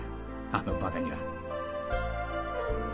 あのバカには。